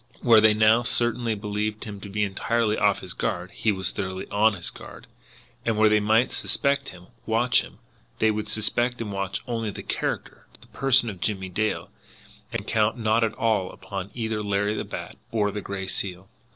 Where they now certainly believed him to be entirely off his guard, he was thoroughly on his guard; and where they might suspect him, watch him, they would suspect and watch only the character, the person of Jimmie Dale, and count not at all upon either Larry the Bat or the Gray Seal.